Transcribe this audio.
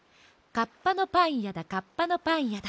カッパのパンやだカッパのパンやだ。